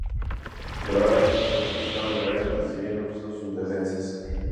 Pero ahora los japoneses estaban alertas y habían reforzado sus defensas.